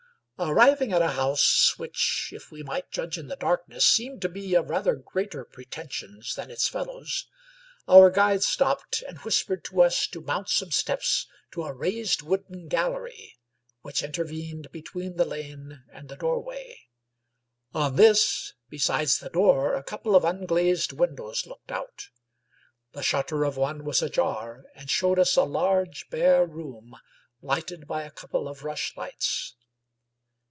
Arriving at a house, which, if we might judge in the darkness, seemed to be of rather greater pretensions than its fellows, our guide stopped, and whispered to us to mount some steps to a raised wooden gallery, which inter vened between the lane and the doorway. On this, besides the door, a couple of unglazed windows looked out. The shutter of one was ajar, and showed us a large, bare room, lighted by a couple of rushlights.